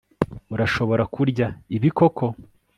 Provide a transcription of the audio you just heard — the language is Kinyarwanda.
Urashobora kurya ibi koko